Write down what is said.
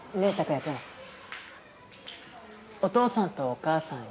お父さんとお母さん優しい？